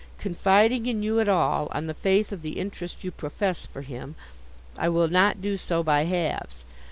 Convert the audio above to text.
Confiding in you at all, on the faith of the interest you profess for him, I will not do so by halves.